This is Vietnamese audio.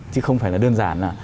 chứ không phải là đơn giản là